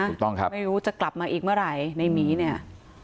ถูกต้องครับไม่รู้จะกลับมาอีกเมื่อไหร่ในหมีเนี่ย